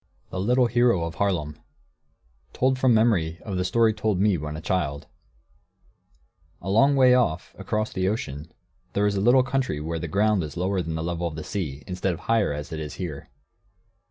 THE LITTLE HERO OF HAARLEM [Footnote 1: Told from memory of the story told me when a child.] A long way off, across the ocean, there is a little country where the ground is lower than the level of the sea, instead of higher, as it is here.